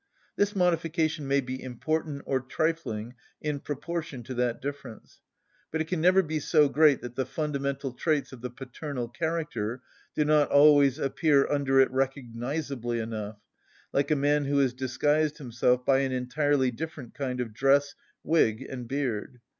This modification may be important or trifling in proportion to that difference, but it can never be so great that the fundamental traits of the paternal character do not always appear under it recognisably enough, like a man who has disguised himself by an entirely different kind of dress, wig, and beard.